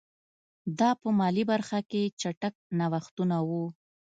دا په مالي برخه کې چټک نوښتونه وو